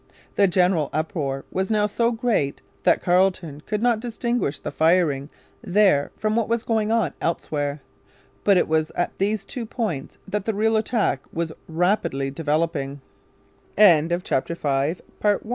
The general uproar was now so great that Carleton could not distinguish the firing there from what was going on elsewhere. But it was at these two points that the real attack was rapidly developing. The first decisive action took place at Pres de V